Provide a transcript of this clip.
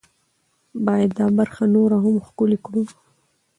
باید دا برخه نوره هم ښکلې کړو.